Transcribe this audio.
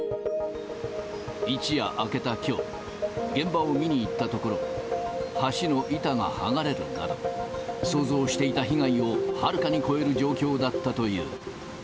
一夜明けたきょう、現場を見に行ったところ、橋の板が剥がれるなど、想像していた被害をはるかに超える状況だったという。